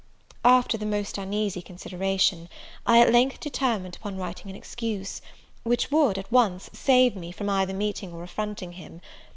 After the most uneasy consideration, I at length determined upon writing an excuse, which would, at once, save me from either meeting or affronting him.